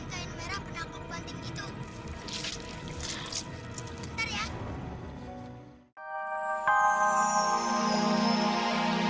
hei bu rabe sini kamu berani